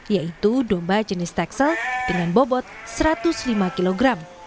yaitu domba jenis tekstil dengan bobot satu ratus lima kg